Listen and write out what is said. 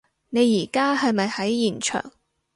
你而家係咪喺現場？